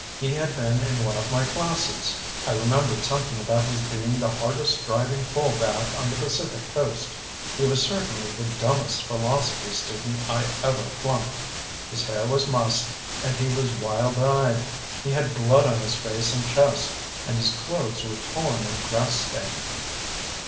He had been in one of my classes. I remembered something about his being the hardest driving fullback on the Pacific coast. He was certainly the dumbest philosophy student I ever flunked. His hair was mussed and he was wild eyed. He had blood on his face and chest, and his clothes were torn and grass stained.